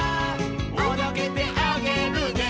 「おどけてあげるね」